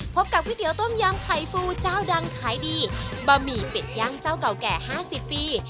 กับก๋วยเตี๋ต้มยำไข่ฟูเจ้าดังขายดีบะหมี่เป็ดย่างเจ้าเก่าแก่๕๐ปี